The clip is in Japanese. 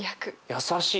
優しい。